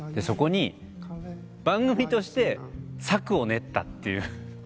そこに番組として策を練ったという。